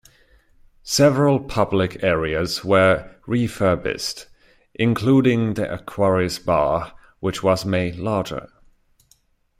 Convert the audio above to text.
Several public areas were refurbished including the Aquarius bar which was made larger.